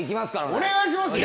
お願いしますよ。